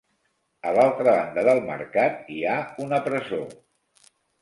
A l'altra banda del mercat hi ha una presó.